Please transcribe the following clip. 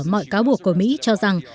mọi cáo buộc của mỹ cho rằng